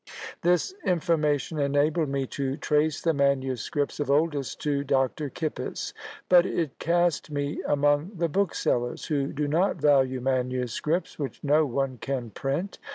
This information enabled me to trace the manuscripts of Oldys to Dr. Kippis; but it cast me among the booksellers, who do not value manuscripts which no one can print.